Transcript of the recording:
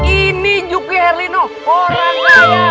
ini juki herlino orang kaya